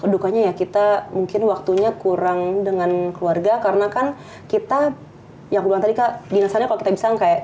dukanya ya kita mungkin waktunya kurang dengan keluarga karena kan kita yang aku bilang tadi kak dinasannya kalau kita bilang kayak